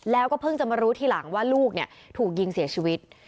แล้วก็เพิ่งจะมารู้ทีหลังว่าลูกถูกยิงเสียชีวิต